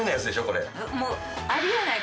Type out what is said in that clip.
これ。